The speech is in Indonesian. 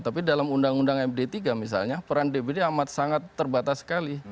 tapi dalam undang undang md tiga misalnya peran dpd amat sangat terbatas sekali